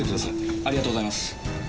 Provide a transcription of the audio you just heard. ありがとうございます。